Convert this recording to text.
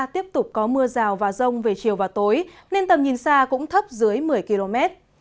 tiếp tục có mưa rào và rông về chiều và tối nên tầm nhìn xa cũng thấp dưới một mươi km